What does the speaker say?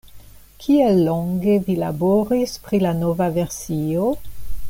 Kiel longe vi laboris pri la nova versio?